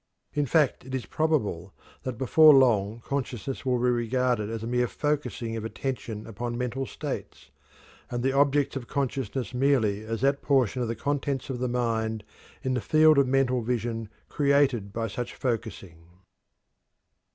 In fact, it is probable that before long consciousness will be regarded as a mere focusing of attention upon mental states, and the objects of consciousness merely as that portion of the contents of the mind in the field of mental vision created by such focusing.